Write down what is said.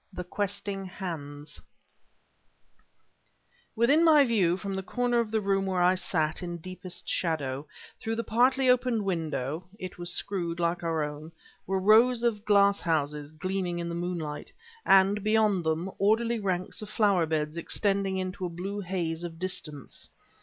THE QUESTING HANDS Within my view, from the corner of the room where I sat in deepest shadow, through the partly opened window (it was screwed, like our own) were rows of glass houses gleaming in the moonlight, and, beyond them, orderly ranks of flower beds extending into a blue haze of distance.